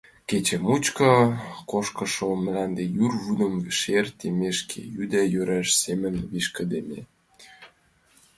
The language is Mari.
Кече мучко кошкышо мланде йӱр вӱдым шер теммешке йӱӧ да руаш семын вишкыдеме.